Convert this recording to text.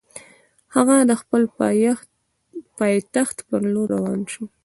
هغه د خپل پایتخت پر لور روان شو.